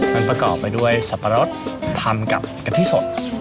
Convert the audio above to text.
มันประกอบไปด้วยสับปะรดทำกับกะทิสด